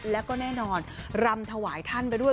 แล้วก็แน่นอนรำถวายท่านไปด้วย